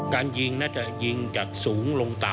การยิงน่าจะยิงจากสูงลงต่ำ